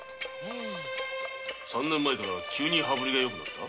３年前から急にはぶりがよくなった？